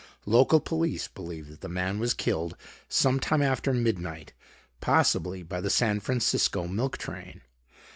Local police believe that the man was killed some time after midnight, possibly by the San Francisco milk train.